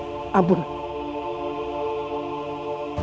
tidak ada yang bisa mengangkat itu